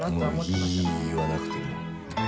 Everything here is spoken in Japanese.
もういい言わなくても。